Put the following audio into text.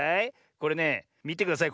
これねみてください